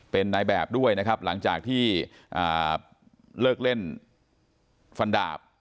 เป็นนายแบบด้วยนะครับหลังจากที่เลิกเล่นฟันดาบ